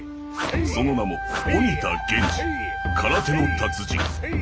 その名も鬼田源次空手の達人。